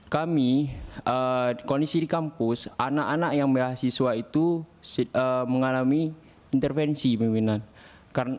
kami kondisi di kampus anak anak yang mahasiswa itu mengalami intervensi pimpinan